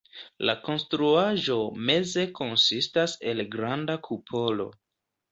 La konstruaĵo meze konsistas el granda kupolo.